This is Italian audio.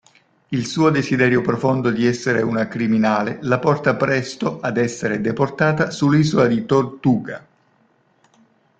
Il suo desiderio profondo di essere una criminale la porta presto ad essere deportata sull'isola di Tortuga.